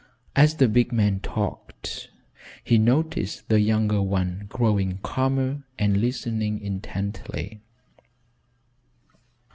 As the big man talked he noticed the younger one growing calmer and listening intently.